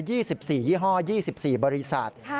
๒๔ยี่ห้อ๒๔บริษัท